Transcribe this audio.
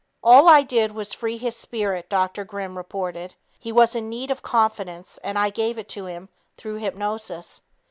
"All I did was free his spirit," Dr. Grimm reported. "He was in need of confidence, and I gave it to him through hypnosis."